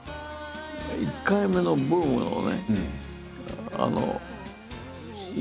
１回目のブームのね